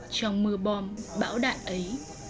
trong mưa bom bão đạn ấy